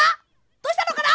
どうしたのかな！？